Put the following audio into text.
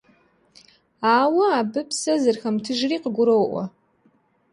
Ауэ абы псэ зэрыхэмытыжри къыгуроӀуэ.